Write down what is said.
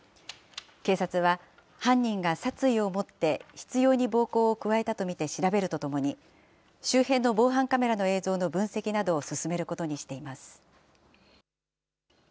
警察は犯人が殺意を持って、執ように暴行を加えたと見て調べるとともに、周辺の防犯カメラの映像の分析などを進めることにしています。